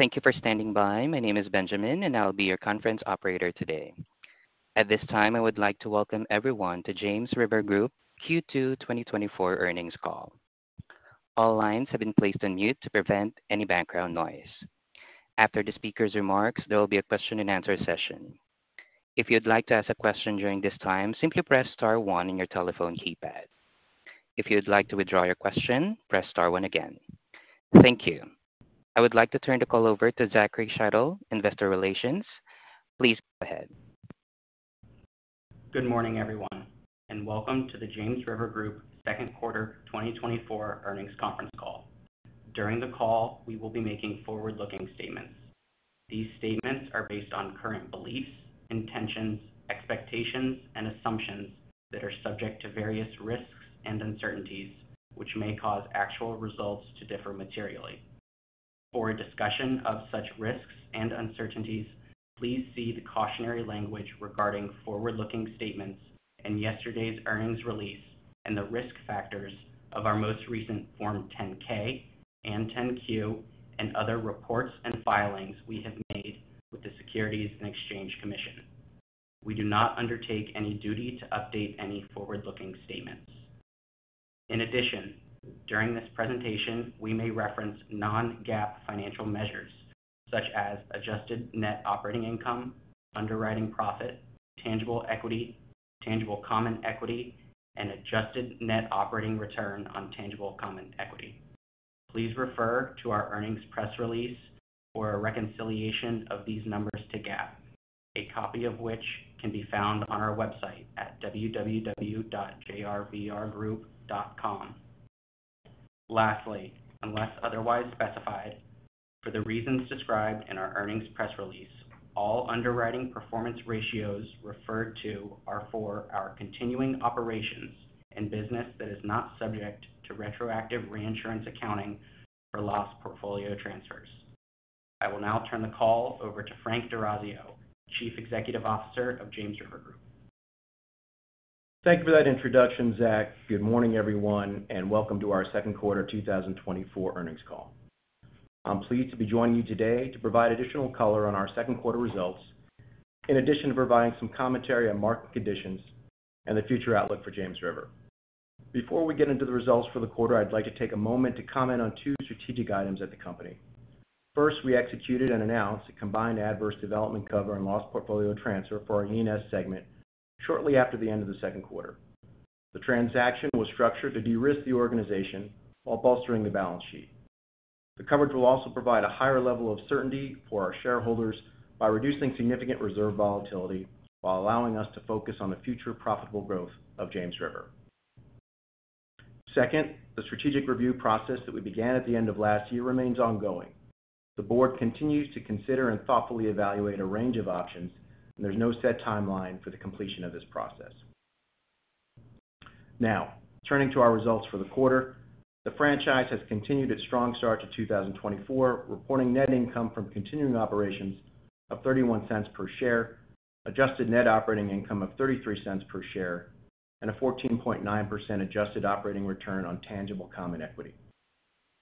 Thank you for standing by. My name is Benjamin, and I'll be your conference operator today. At this time, I would like to welcome everyone to James River Group Q2 2024 earnings call. All lines have been placed on mute to prevent any background noise. After the speaker's remarks, there will be a question-and-answer session. If you'd like to ask a question during this time, simply press star one on your telephone keypad. If you'd like to withdraw your question, press star one again. Thank you. I would like to turn the call over to Zachary Shytle, Investor Relations. Please go ahead. Good morning, everyone, and welcome to the James River Group second quarter 2024 earnings conference call. During the call, we will be making forward-looking statements. These statements are based on current beliefs, intentions, expectations, and assumptions that are subject to various risks and uncertainties, which may cause actual results to differ materially. For a discussion of such risks and uncertainties, please see the cautionary language regarding forward-looking statements in yesterday's earnings release and the risk factors of our most recent Form 10-K and 10-Q, and other reports and filings we have made with the Securities and Exchange Commission. We do not undertake any duty to update any forward-looking statements. In addition, during this presentation, we may reference non-GAAP financial measures such as adjusted net operating income, underwriting profit, tangible equity, tangible common equity, and adjusted net operating return on tangible common equity. Please refer to our earnings press release for a reconciliation of these numbers to GAAP, a copy of which can be found on our website at www.jrvrgroup.com. Lastly, unless otherwise specified, for the reasons described in our earnings press release, all underwriting performance ratios referred to are for our continuing operations and business that is not subject to retroactive reinsurance accounting or loss portfolio transfers. I will now turn the call over to Frank D'Orazio, Chief Executive Officer of James River Group. Thank you for that introduction, Zach. Good morning, everyone, and welcome to our second quarter 2024 earnings call. I'm pleased to be joining you today to provide additional color on our second quarter results, in addition to providing some commentary on market conditions and the future outlook for James River. Before we get into the results for the quarter, I'd like to take a moment to comment on two strategic items at the company. First, we executed and announced a combined adverse development cover and loss portfolio transfer for our E&S segment shortly after the end of the second quarter. The transaction was structured to de-risk the organization while bolstering the balance sheet. The coverage will also provide a higher level of certainty for our shareholders by reducing significant reserve volatility while allowing us to focus on the future profitable growth of James River. Second, the strategic review process that we began at the end of last year remains ongoing. The board continues to consider and thoughtfully evaluate a range of options, and there's no set timeline for the completion of this process. Now, turning to our results for the quarter. The franchise has continued its strong start to 2024, reporting net income from continuing operations of $0.31 per share, adjusted net operating income of $0.33 per share, and a 14.9% adjusted operating return on tangible common equity.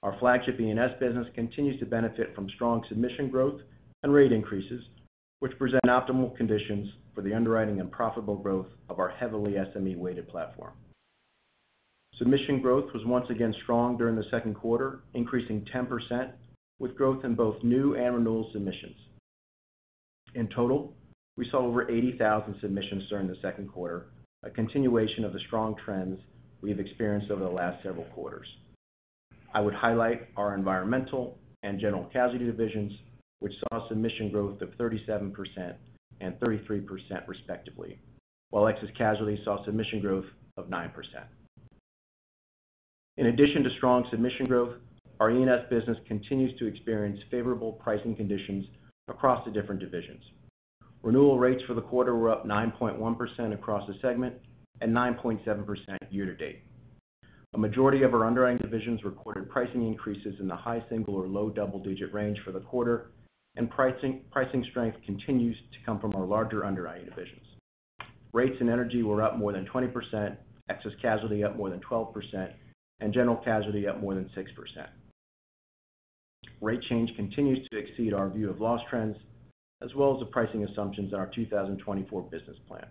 Our flagship E&S business continues to benefit from strong submission growth and rate increases, which present optimal conditions for the underwriting and profitable growth of our heavily SME-weighted platform. Submission growth was once again strong during the second quarter, increasing 10%, with growth in both new and renewal submissions. In total, we saw over 80,000 submissions during the second quarter, a continuation of the strong trends we've experienced over the last several quarters. I would highlight our environmental and general casualty divisions, which saw submission growth of 37% and 33%, respectively, while excess casualty saw submission growth of 9%. In addition to strong submission growth, our E&S business continues to experience favorable pricing conditions across the different divisions. Renewal rates for the quarter were up 9.1% across the segment and 9.7% year to date. A majority of our underwriting divisions recorded pricing increases in the high single- or low double-digit range for the quarter, and pricing, pricing strength continues to come from our larger underwriting divisions. Rates and Energy were up more than 20%, Excess Casualty up more than 12%, and General Casualty up more than 6%. Rate change continues to exceed our view of loss trends, as well as the pricing assumptions in our 2024 business plan.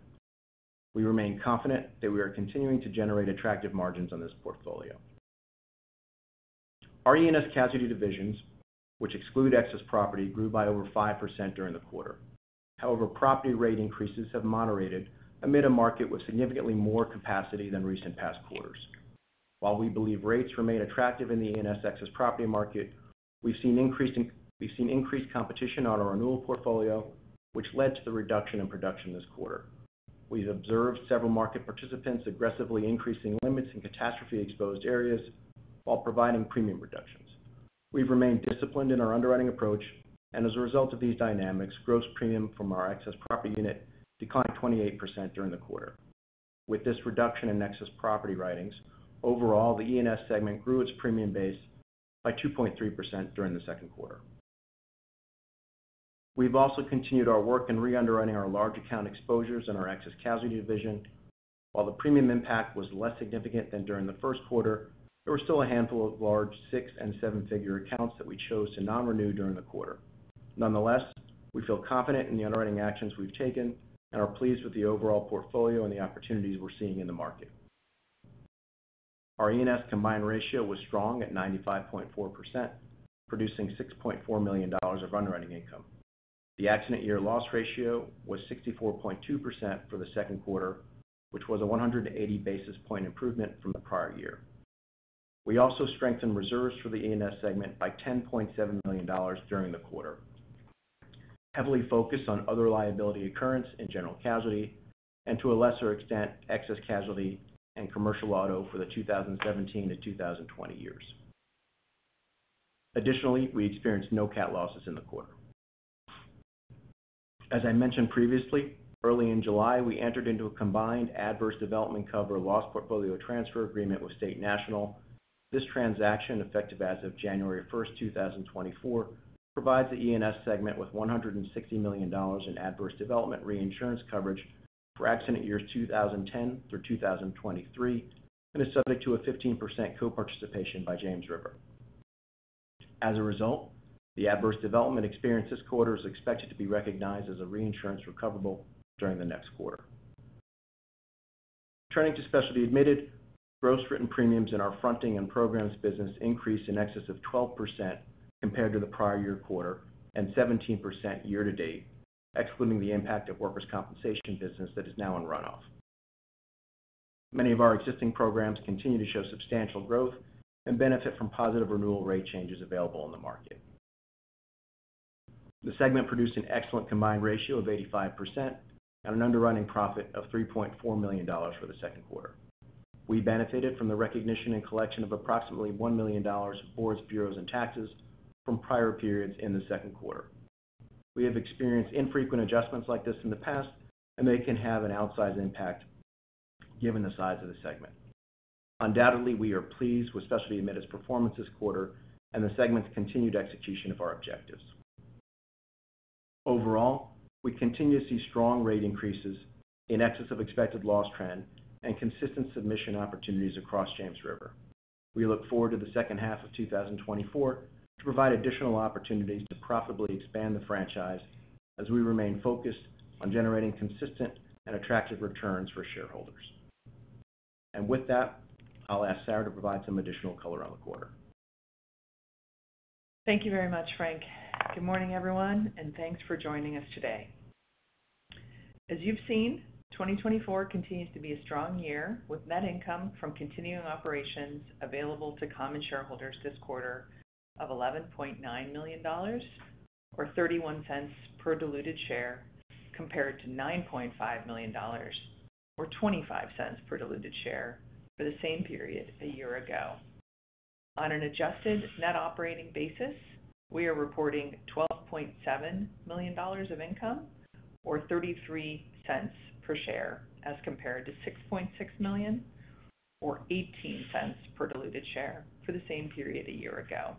We remain confident that we are continuing to generate attractive margins on this portfolio. Our E&S casualty divisions, which exclude Excess Property, grew by over 5% during the quarter. However, property rate increases have moderated amid a market with significantly more capacity than recent past quarters. While we believe rates remain attractive in the E&S Excess Property market, we've seen increased competition on our renewal portfolio, which led to the reduction in production this quarter. We've observed several market participants aggressively increasing limits in catastrophe-exposed areas while providing premium reductions. We've remained disciplined in our underwriting approach, and as a result of these dynamics, gross premium from our excess property unit declined 28% during the quarter. With this reduction in excess property writings, overall, the E&S segment grew its premium base by 2.3% during the second quarter. We've also continued our work in reunderwriting our large account exposures in our excess casualty division. While the premium impact was less significant than during the first quarter, there were still a handful of large six and seven-figure accounts that we chose to non-renew during the quarter. Nonetheless, we feel confident in the underwriting actions we've taken and are pleased with the overall portfolio and the opportunities we're seeing in the market. Our E&S combined ratio was strong at 95.4%, producing $6.4 million of underwriting income. The accident year loss ratio was 64.2% for the second quarter, which was a 180 basis point improvement from the prior year. We also strengthened reserves for the E&S segment by $10.7 million during the quarter, heavily focused on other liability occurrence in General Casualty and, to a lesser extent, Excess Casualty and Commercial Auto for the 2017 to 2020 years. Additionally, we experienced no cat losses in the quarter. As I mentioned previously, early in July, we entered into a combined adverse development cover loss portfolio transfer agreement with State National. This transaction, effective as of January 1, 2024, provides the E&S segment with $160 million in adverse development reinsurance coverage for accident years 2010 through 2023, and is subject to a 15% co-participation by James River. As a result, the adverse development experience this quarter is expected to be recognized as a reinsurance recoverable during the next quarter. Turning to Specialty Admitted, gross written premiums in our fronting and programs business increased in excess of 12% compared to the prior year quarter, and 17% year to date, excluding the impact of workers' compensation business that is now in runoff. Many of our existing programs continue to show substantial growth and benefit from positive renewal rate changes available in the market. The segment produced an excellent combined ratio of 85%, and an underwriting profit of $3.4 million for the second quarter. We benefited from the recognition and collection of approximately $1 million boards, bureaus, and taxes from prior periods in the second quarter. We have experienced infrequent adjustments like this in the past, and they can have an outsized impact given the size of the segment. Undoubtedly, we are pleased with Specialty Admitted's performance this quarter and the segment's continued execution of our objectives. Overall, we continue to see strong rate increases in excess of expected loss trend and consistent submission opportunities across James River. We look forward to the second half of 2024 to provide additional opportunities to profitably expand the franchise as we remain focused on generating consistent and attractive returns for shareholders. With that, I'll ask Sarah to provide some additional color on the quarter. Thank you very much, Frank. Good morning, everyone, and thanks for joining us today. As you've seen, 2024 continues to be a strong year, with net income from continuing operations available to common shareholders this quarter of $11.9 million, or $0.31 per diluted share, compared to $9.5 million, or $0.25 per diluted share for the same period a year ago. On an adjusted net operating basis, we are reporting $12.7 million of income or $0.33 per share, as compared to $6.6 million or $0.18 per diluted share for the same period a year ago.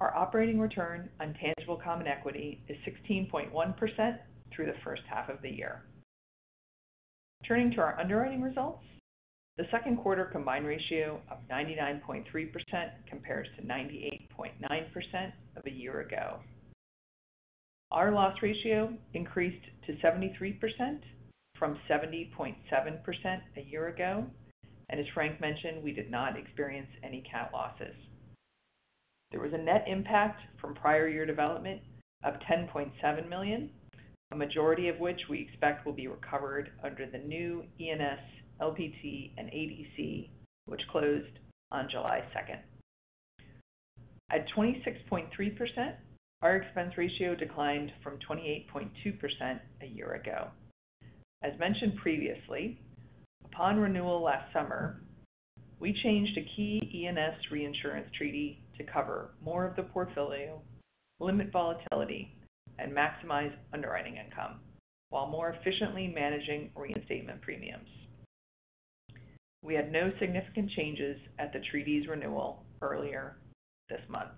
Our operating return on tangible common equity is 16.1% through the first half of the year. Turning to our underwriting results, the second quarter combined ratio of 99.3% compares to 98.9% of a year ago. Our loss ratio increased to 73% from 70.7% a year ago, and as Frank mentioned, we did not experience any cat losses. There was a net impact from prior year development of $10.7 million, a majority of which we expect will be recovered under the new E&S, LPT, and ADC, which closed on July second. At 26.3%, our expense ratio declined from 28.2% a year ago. As mentioned previously, upon renewal last summer, we changed a key E&S reinsurance treaty to cover more of the portfolio, limit volatility, and maximize underwriting income, while more efficiently managing reinstatement premiums. We had no significant changes at the treaty's renewal earlier this month.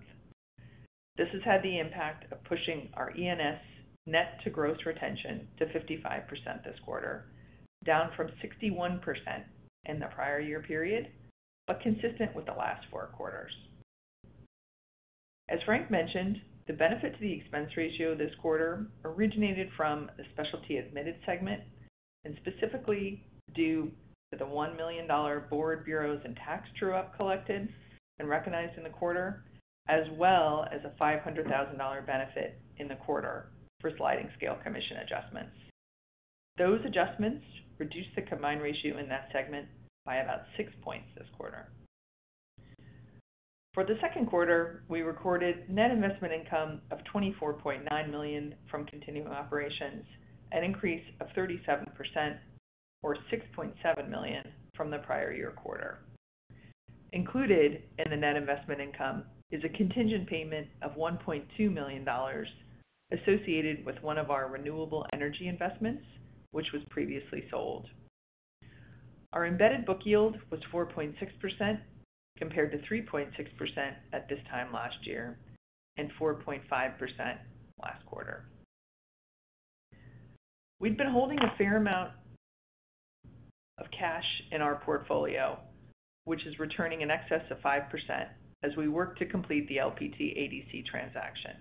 This has had the impact of pushing our E&S net to gross retention to 55% this quarter, down from 61% in the prior year period, but consistent with the last four quarters. As Frank mentioned, the benefit to the Expense Ratio this quarter originated from the Specialty Admitted segment and specifically due to the $1 million Boards, Bureaus, and Taxes true-up collected and recognized in the quarter, as well as a $500,000 benefit in the quarter for Sliding Scale Commission adjustments. Those adjustments reduced the Combined Ratio in that segment by about six points this quarter. For the second quarter, we recorded Net Investment Income of $24.9 million from continuing operations, an increase of 37%, or $6.7 million from the prior year quarter. Included in the Net Investment Income is a contingent payment of $1.2 million associated with one of our renewable energy investments, which was previously sold.... Our embedded book yield was 4.6%, compared to 3.6% at this time last year, and 4.5% last quarter. We've been holding a fair amount of cash in our portfolio, which is returning in excess of 5% as we work to complete the LPT ADC transaction.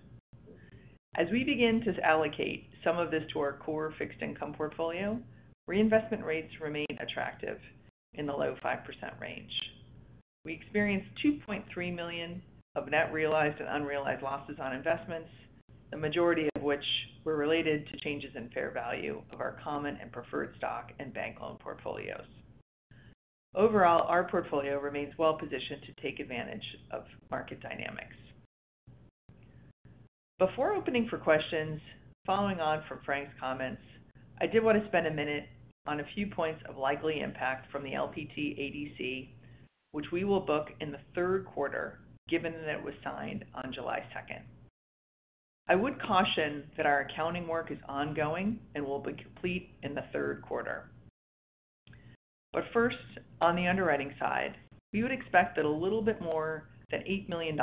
As we begin to allocate some of this to our core fixed income portfolio, reinvestment rates remain attractive in the low 5% range. We experienced $2.3 million of net realized and unrealized losses on investments, the majority of which were related to changes in fair value of our common and preferred stock and bank loan portfolios. Overall, our portfolio remains well-positioned to take advantage of market dynamics. Before opening for questions, following on from Frank's comments, I did want to spend a minute on a few points of likely impact from the LPT ADC, which we will book in the third quarter, given that it was signed on July 2. I would caution that our accounting work is ongoing and will be complete in the third quarter. But first, on the underwriting side, we would expect that a little bit more than $8 million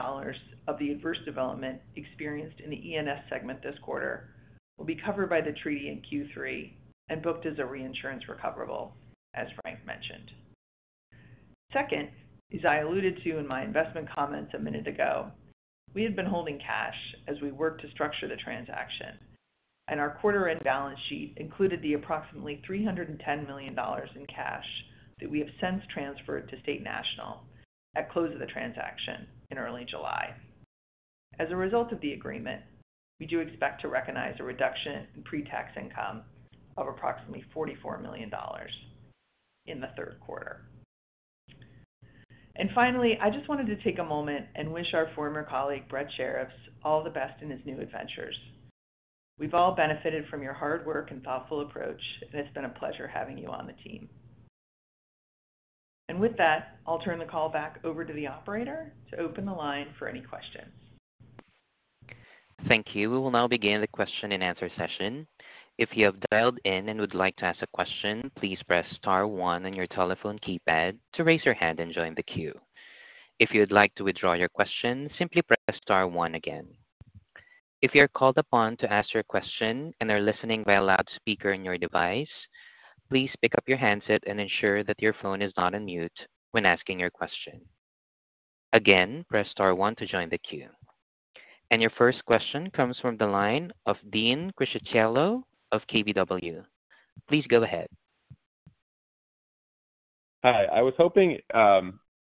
of the adverse development experienced in the E&S segment this quarter will be covered by the treaty in Q3 and booked as a reinsurance recoverable, as Frank mentioned. Second, as I alluded to in my investment comments a minute ago, we had been holding cash as we worked to structure the transaction, and our quarter-end balance sheet included the approximately $310 million in cash that we have since transferred to State National at close of the transaction in early July. As a result of the agreement, we do expect to recognize a reduction in pre-tax income of approximately $44 million in the third quarter. And finally, I just wanted to take a moment and wish our former colleague, Brett Shirreffs, all the best in his new adventures. We've all benefited from your hard work and thoughtful approach, and it's been a pleasure having you on the team. And with that, I'll turn the call back over to the operator to open the line for any questions. Thank you. We will now begin the question-and-answer session. If you have dialed in and would like to ask a question, please press star one on your telephone keypad to raise your hand and join the queue. If you'd like to withdraw your question, simply press star one again. If you're called upon to ask your question and are listening via loudspeaker on your device, please pick up your handset and ensure that your phone is not on mute when asking your question. Again, press star one to join the queue. Your first question comes from the line of Dean Criscitiello of KBW. Please go ahead. Hi, I was hoping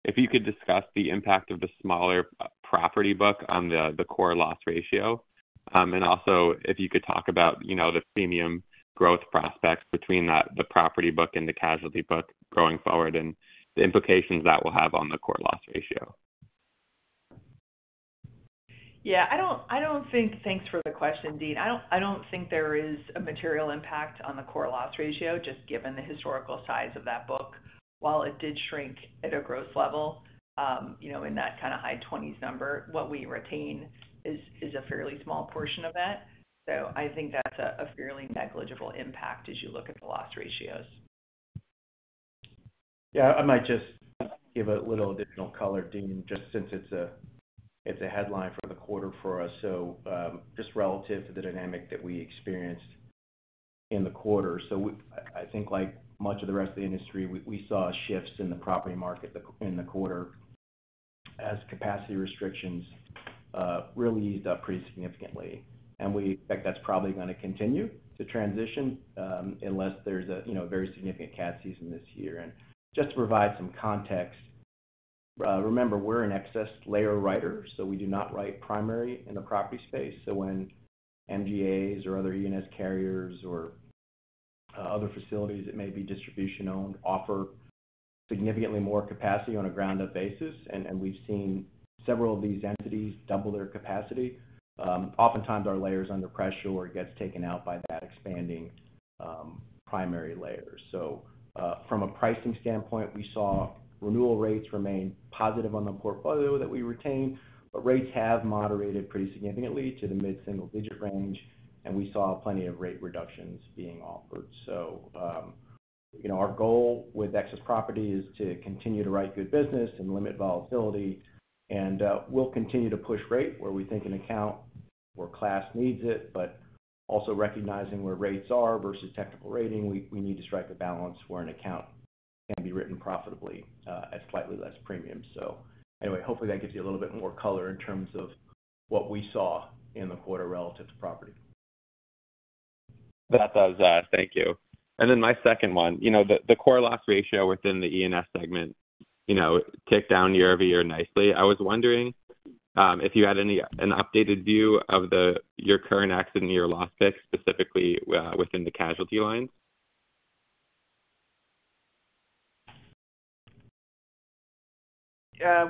if you could discuss the impact of the smaller property book on the core loss ratio. And also if you could talk about, you know, the premium growth prospects between that, the property book and the casualty book going forward, and the implications that will have on the core loss ratio. Yeah, I don't think... Thanks for the question, Dean. I don't think there is a material impact on the core loss ratio, just given the historical size of that book. While it did shrink at a growth level, you know, in that kind of high 20s number, what we retain is a fairly small portion of that. So I think that's a fairly negligible impact as you look at the loss ratios. Yeah, I might just give a little additional color, Dean, just since it's a headline for the quarter for us. So, just relative to the dynamic that we experienced in the quarter. So, I think like much of the rest of the industry, we saw shifts in the property market in the quarter as capacity restrictions really eased up pretty significantly. And we expect that's probably gonna continue to transition, unless there's a, you know, very significant cat season this year. And just to provide some context, remember, we're an excess layer writer, so we do not write primary in the property space. So when MGAs or other E&S carriers or other facilities that may be distribution-owned offer significantly more capacity on a ground-up basis, and we've seen several of these entities double their capacity, oftentimes our layer is under pressure or it gets taken out by that expanding primary layer. So from a pricing standpoint, we saw renewal rates remain positive on the portfolio that we retained, but rates have moderated pretty significantly to the mid-single digit range, and we saw plenty of rate reductions being offered. So, you know, our goal with excess property is to continue to write good business and limit volatility, and we'll continue to push rate where we think an account or class needs it, but also recognizing where rates are versus technical rating, we need to strike a balance where an account can be written profitably at slightly less premium. So anyway, hopefully, that gives you a little bit more color in terms of what we saw in the quarter relative to property. That does. Thank you. And then my second one, you know, the core loss ratio within the E&S segment, you know, ticked down year over year nicely. I was wondering if you had an updated view of your current accident year loss pick, specifically within the casualty line?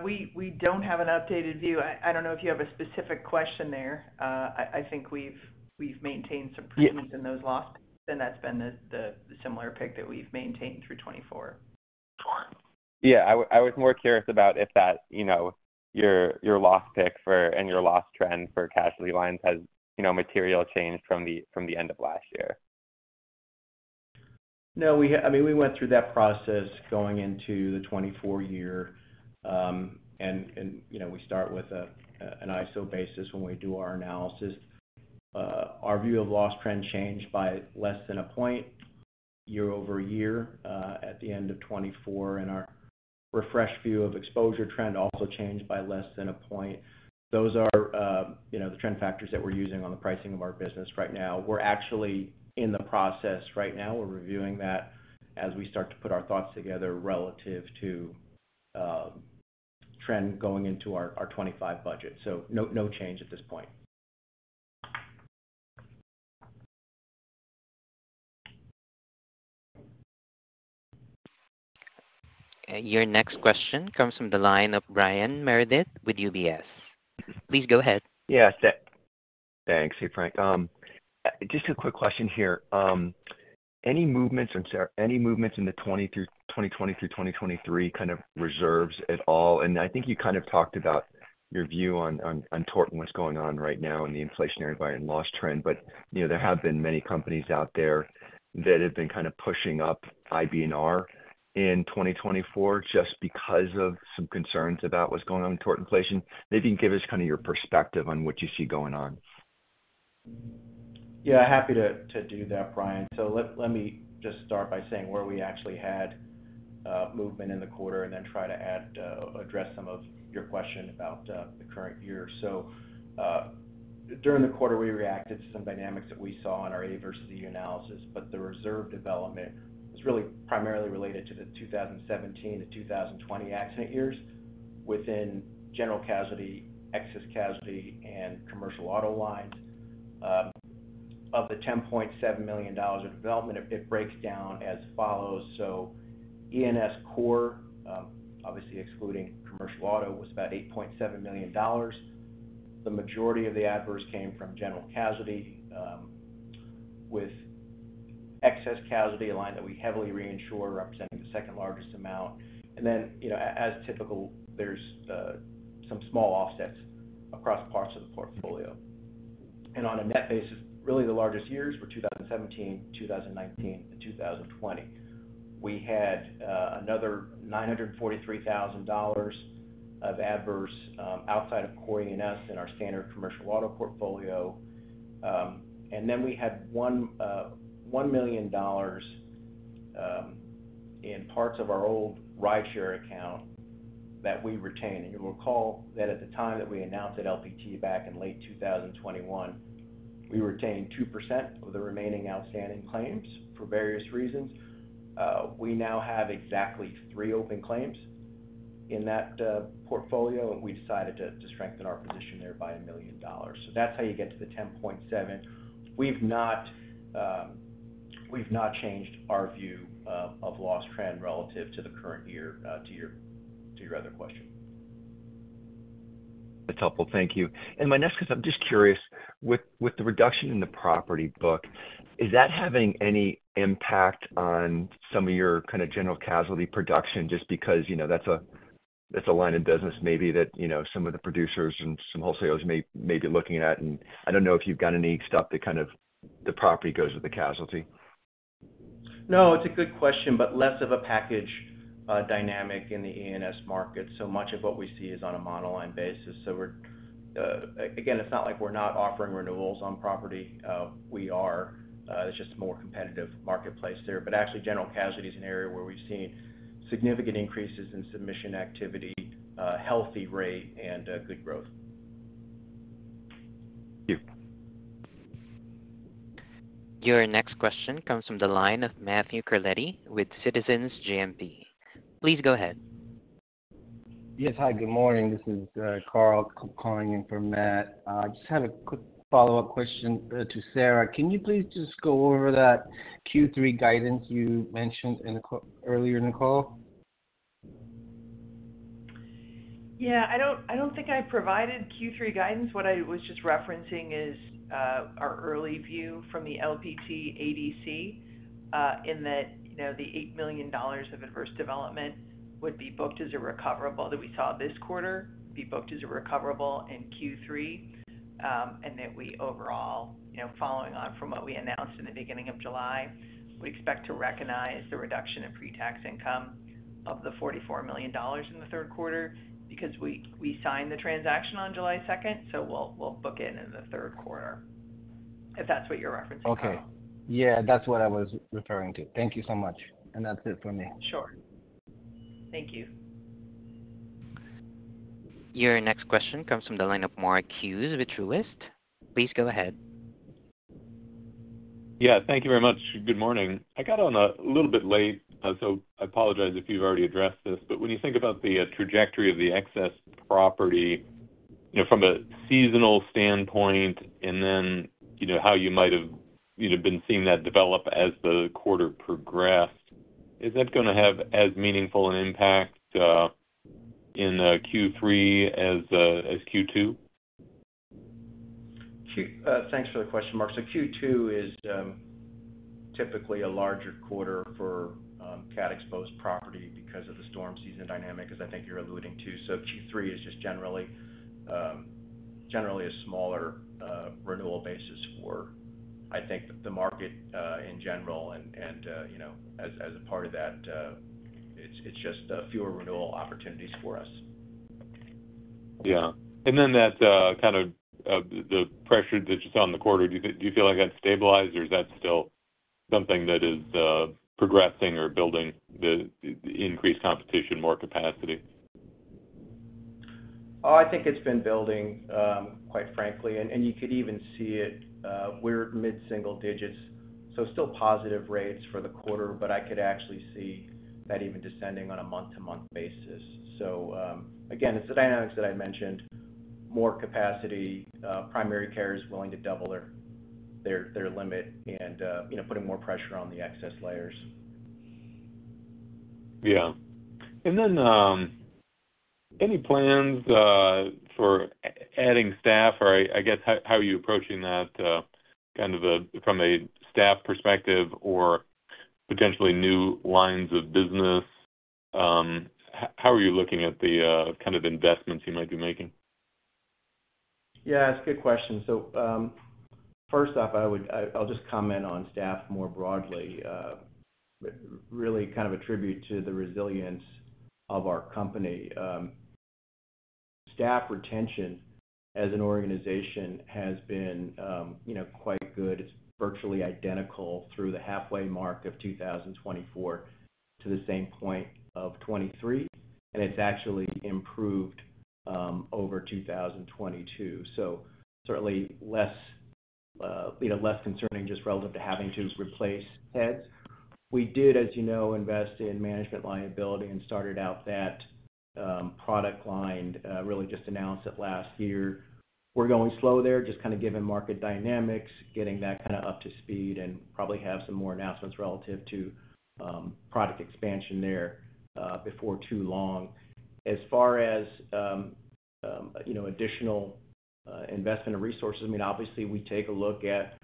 We don't have an updated view. I don't know if you have a specific question there. I think we've maintained some improvements- Yeah. in those losses, and that's been the similar pick that we've maintained through 2024.... Yeah, I was more curious about if that, you know, your, your loss pick for, and your loss trend for casualty lines has, you know, materially changed from the, from the end of last year? No, we, I mean, we went through that process going into the 2024 year. And you know, we start with a, an ISO basis when we do our analysis. Our view of loss trend changed by less than a point year-over-year, at the end of 2024, and our refreshed view of exposure trend also changed by less than a point. Those are, you know, the trend factors that we're using on the pricing of our business right now. We're actually in the process right now, we're reviewing that as we start to put our thoughts together relative to, trend going into our, our 2025 budget. So no, no change at this point. Okay, your next question comes from the line of Brian Meredith with UBS. Please go ahead. Yeah, thanks. Hey, Frank. Just a quick question here. Any movements in the 2020 through 2023 kind of reserves at all? And I think you kind of talked about your view on tort and what's going on right now in the inflationary environment loss trend. But, you know, there have been many companies out there that have been kind of pushing up IBNR in 2024 just because of some concerns about what's going on in tort inflation. Maybe you can give us kind of your perspective on what you see going on. Yeah, happy to do that, Brian. So let me just start by saying where we actually had movement in the quarter and then try to address some of your question about the current year. So, during the quarter, we reacted to some dynamics that we saw in our adverse development analysis, but the reserve development was really primarily related to the 2017 to 2020 accident years within General Casualty, Excess Casualty, and Commercial Auto lines. Of the $10.7 million of development, it breaks down as follows: so E&S core, obviously excluding Commercial Auto, was about $8.7 million. The majority of the adverse came from General Casualty, with Excess Casualty, a line that we heavily reinsure, representing the second-largest amount. Then, you know, as typical, there's some small offsets across parts of the portfolio. On a net basis, really the largest years were 2017, 2019, and 2020. We had another $943,000 of adverse outside of core E&S in our standard commercial auto portfolio. And then we had $1 million in parts of our old rideshare account that we retained. You'll recall that at the time that we announced the LPT back in late 2021, we retained 2% of the remaining outstanding claims for various reasons. We now have exactly three open claims in that portfolio, and we decided to strengthen our position there by $1 million. So that's how you get to the $10.7 million. We've not changed our view of loss trend relative to the current year, to your other question. That's helpful. Thank you. My next question, I'm just curious, with the reduction in the property book, is that having any impact on some of your kind of general casualty production? Just because, you know, that's a, that's a line of business maybe that, you know, some of the producers and some wholesalers may be looking at, and I don't know if you've got any stuff that kind of the property goes with the casualty. No, it's a good question, but less of a package dynamic in the E&S market, so much of what we see is on a monoline basis. So we're again, it's not like we're not offering renewals on property. We are. It's just a more competitive marketplace there. But actually, General Casualty is an area where we've seen significant increases in submission activity, healthy rate, and good growth. Thank you. Your next question comes from the line of Matthew Carletti with Citizens JMP. Please go ahead. Yes. Hi, good morning. This is Carl calling in for Matt. Just had a quick follow-up question to Sarah. Can you please just go over that Q3 guidance you mentioned in the call, earlier in the call? Yeah, I don't, I don't think I provided Q3 guidance. What I was just referencing is, our early view from the LPT ADC, in that, you know, the $8 million of adverse development would be booked as a recoverable that we saw this quarter, be booked as a recoverable in Q3. And that we overall, you know, following on from what we announced in the beginning of July, we expect to recognize the reduction in pre-tax income of the $44 million in the third quarter because we, we signed the transaction on July second, so we'll, we'll book it in the third quarter, if that's what you're referencing, Carl. Okay. Yeah, that's what I was referring to. Thank you so much. And that's it for me. Sure. Thank you. Your next question comes from the line of Mark Hughes with Truist. Please go ahead. Yeah, thank you very much. Good morning. I got on a little bit late, so I apologize if you've already addressed this. But when you think about the trajectory of the Excess Property, you know, from a seasonal standpoint, and then, you know, how you might have, you know, been seeing that develop as the quarter progressed, is that going to have as meaningful an impact in Q3 as Q2? Thanks for the question, Mark. So Q2 is typically a larger quarter for cat-exposed property because of the storm season dynamic, as I think you're alluding to. So Q3 is just generally generally a smaller renewal basis for, I think, the market in general. And you know, as a part of that, it's just fewer renewal opportunities for us. Yeah. And then that, kind of, the pressure that you saw on the quarter, do you, do you feel like that's stabilized, or is that still something that is, progressing or building the increased competition, more capacity? Oh, I think it's been building, quite frankly. And you could even see it, we're mid-single digits, so still positive rates for the quarter, but I could actually see that even descending on a month-to-month basis. So, again, it's the dynamics that I mentioned, more capacity, primary carrier is willing to double their limit and, you know, putting more pressure on the excess layers. Yeah. And then, any plans for adding staff, or I guess, how are you approaching that, kind of from a staff perspective or potentially new lines of business? How are you looking at the kind of investments you might be making? Yeah, that's a good question. So, first off, I'll just comment on staff more broadly. Really kind of attribute to the resilience of our company. Staff retention as an organization has been, you know, quite good. It's virtually identical through the halfway mark of 2024 to the same point of 2023, and it's actually improved over 2022. So certainly less, you know, less concerning just relative to having to replace heads. We did, as you know, invest in Management Liability and started out that product line really just announced it last year. We're going slow there, just kind of giving market dynamics, getting that kind of up to speed and probably have some more announcements relative to product expansion there before too long. As far as, you know, additional investment and resources, I mean, obviously, we take a look at,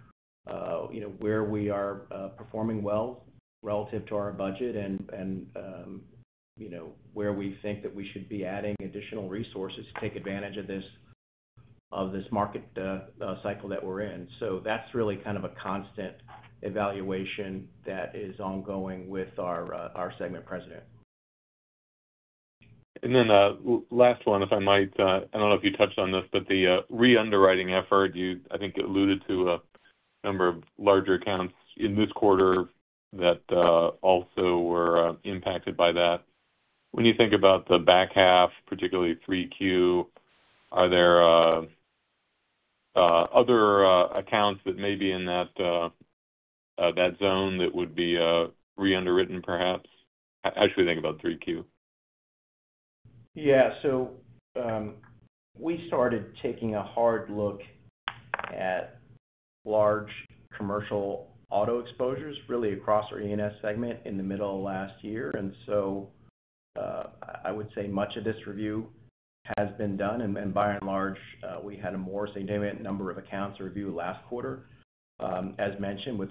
you know, where we are performing well relative to our budget and, you know, where we think that we should be adding additional resources to take advantage of this market cycle that we're in. So that's really kind of a constant evaluation that is ongoing with our segment president. And then, last one, if I might. I don't know if you touched on this, but the reunderwriting effort, you, I think, alluded to a number of larger accounts in this quarter that also were impacted by that. When you think about the back half, particularly 3Q, are there other accounts that may be in that zone, that would be reunderwritten, perhaps? As you think about 3Q. Yeah. So, we started taking a hard look at large commercial auto exposures, really across our E&S segment in the middle of last year. And so, I would say much of this review has been done, and by and large, we had a more significant number of accounts to review last quarter. As mentioned, with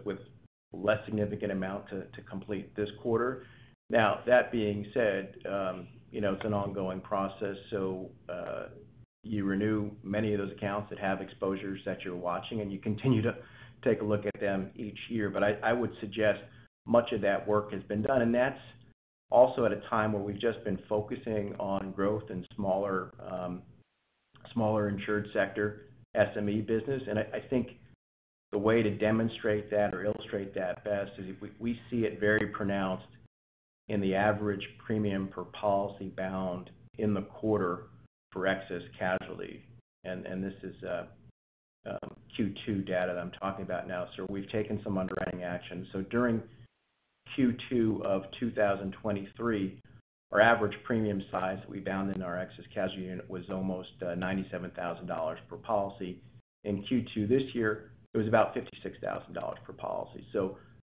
less significant amount to complete this quarter. Now, that being said, you know, it's an ongoing process, so you renew many of those accounts that have exposures that you're watching, and you continue to take a look at them each year. But I would suggest much of that work has been done, and that's also at a time where we've just been focusing on growth in smaller, smaller insured sector, SME business. I think the way to demonstrate that or illustrate that best is we see it very pronounced in the average premium per policy bound in the quarter for Excess Casualty. And this is Q2 data that I'm talking about now. So we've taken some underwriting action. So during Q2 of 2023, our average premium size that we bound in our Excess Casualty unit was almost $97,000 per policy. In Q2 this year, it was about $56,000 per policy.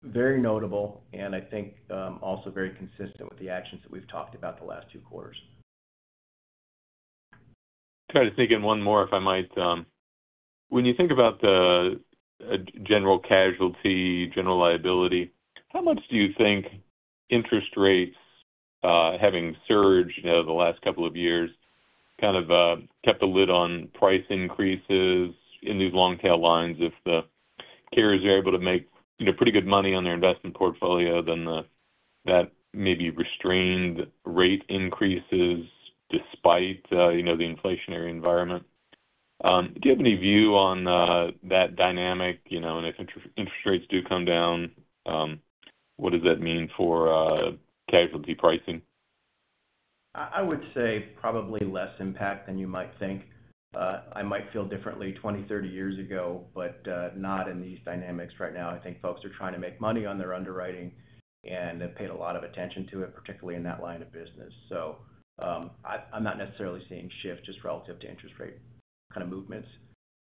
So very notable, and I think also very consistent with the actions that we've talked about the last two quarters. Try to sneak in one more, if I might. When you think about the general casualty, general liability, how much do you think interest rates having surged, you know, the last couple of years, kind of kept a lid on price increases in these long-tail lines? If the carriers are able to make, you know, pretty good money on their investment portfolio, then that maybe restrained rate increases despite, you know, the inflationary environment. Do you have any view on that dynamic, you know, and if interest rates do come down, what does that mean for casualty pricing? I would say probably less impact than you might think. I might feel differently 20, 30 years ago, but not in these dynamics right now. I think folks are trying to make money on their underwriting, and they've paid a lot of attention to it, particularly in that line of business. I'm not necessarily seeing shifts just relative to interest rate kind of movements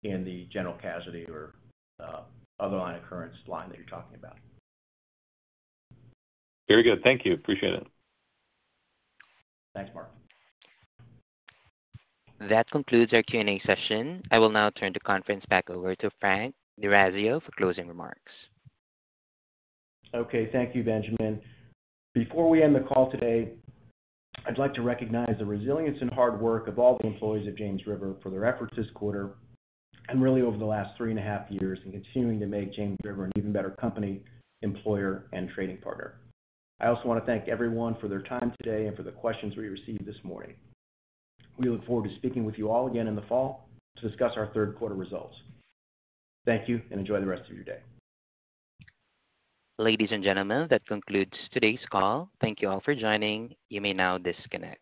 in the General Casualty or other line occurrence line that you're talking about. Very good. Thank you. Appreciate it. Thanks, Mark. That concludes our Q&A session. I will now turn the conference back over to Frank D'Orazio for closing remarks. Okay, thank you, Benjamin. Before we end the call today, I'd like to recognize the resilience and hard work of all the employees at James River for their efforts this quarter, and really over the last three and a half years, in continuing to make James River an even better company, employer, and trading partner. I also want to thank everyone for their time today and for the questions we received this morning. We look forward to speaking with you all again in the fall to discuss our third quarter results. Thank you, and enjoy the rest of your day. Ladies and gentlemen, that concludes today's call. Thank you all for joining. You may now disconnect.